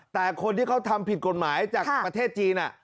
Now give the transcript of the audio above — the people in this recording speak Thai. แต่คนที่เขาทำผิดกฎหมายจากประเทศจีน